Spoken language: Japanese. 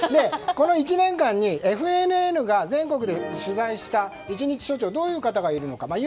この１年間にＦＮＮが全国で取材した一日署長どういう方がいるのか。